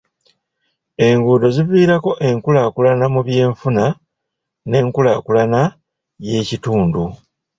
Enguudo ziviirako enkulaakulana mu by'enfuna n'enkulaakulana y'ekitundu.